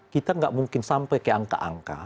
kita nggak mungkin sampai ke angka angka